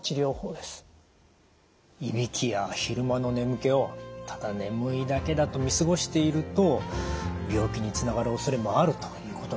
いびきや昼間の眠気をただ眠いだけだと見過ごしていると病気につながるおそれもあるということなんですね。